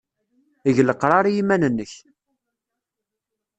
Eg leqrar i yiman-nnek.